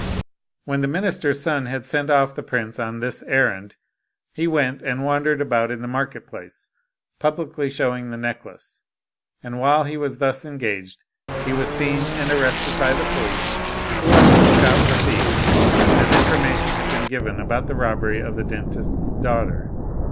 When the minister's son had sent off the prince on this errand, he went and wandered about in the market place, publicly showing the necklace. And while he was thus en gaged, he was seen and arrested by the police, who were on the lookout for thieves, as information had been given about the robbery of the dentist's daughter.